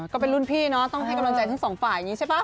ก็เป็นรุ่นพี่เนาะต้องให้กำลังใจทั้งสองฝ่ายอย่างนี้ใช่ป่ะ